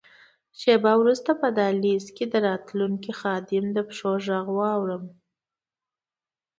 شیبه وروسته په دهلېز کې د راتلونکي خادم د پښو ږغ واورم.